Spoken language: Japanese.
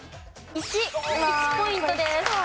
１ポイントです。